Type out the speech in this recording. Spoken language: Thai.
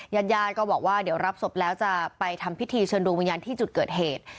ญาติญาติก็บอกว่าเดี๋ยวรับศพแล้วจะไปทำพิธีเชิญดวงวิญญาณที่จุดเกิดเหตุ